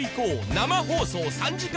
生放送３時間